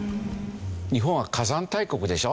日本は火山大国でしょ。